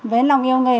với lòng yêu nghề